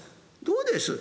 どうです？